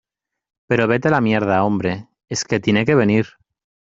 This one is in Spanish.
pero vete a la mierda, hombre. es que tiene que venir